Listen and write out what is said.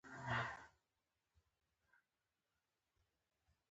افغانستان کې واوره د خلکو د ژوند کیفیت تاثیر کوي.